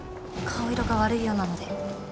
顔色が悪いようなので。